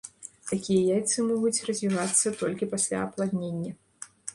Такія яйцы могуць развівацца толькі пасля апладнення.